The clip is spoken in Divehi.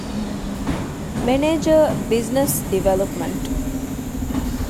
މެނޭޖަރ، ބިޒްނަސް ޑިވެލޮޕްމަންޓް